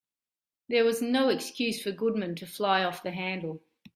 There was no excuse for Goodman to fly off the handle.